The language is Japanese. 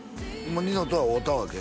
ニノとは会うたわけ？